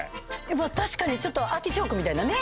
まっ確かにちょっとアーティチョークみたいなね。